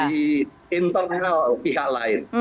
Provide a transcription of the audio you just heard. di internal pihak lain